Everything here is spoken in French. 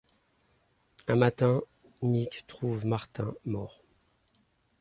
Un matin, Nick trouve Martin mort.